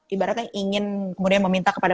ibaratnya ingin kemudian meminta kepada